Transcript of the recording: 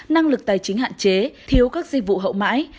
năng lực tài chính hạn chế thiếu các dịch vụ hậu mãi